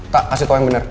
tak kasih tau yang bener